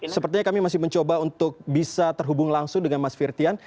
sepertinya kami masih mencoba untuk bisa terhubung langsung dengan mas firtian